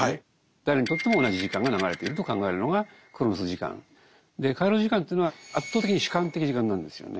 誰にとっても同じ時間が流れていると考えるのがクロノス時間。でカイロス時間というのは圧倒的に主観的時間なんですよね。